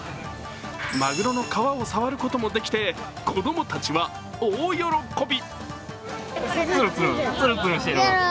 マグロの皮を触ることもできて子供たちは大喜び。